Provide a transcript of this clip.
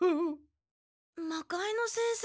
魔界之先生